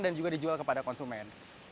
dan juga dijual kepada konsumen